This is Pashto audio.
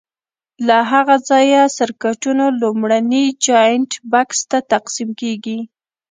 له هغه ځایه سرکټونو لومړني جاینټ بکس ته تقسیم کېږي.